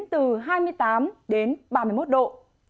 từ hai mươi tám đến ba mươi một độ